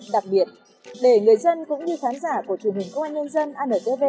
đặc biệt để người dân cũng như khán giả của truyền hình công an nhân dân antv